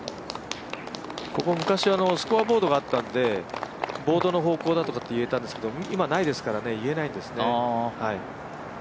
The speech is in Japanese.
ここ昔スコアボードがあったんで、ボードの方向とか言えたんですけど今、ないですから言えないんですね。